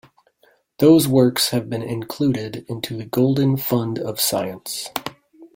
Those works have been included into the golden fund of science.